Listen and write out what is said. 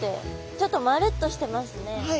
ちょっとまるっとしてますね。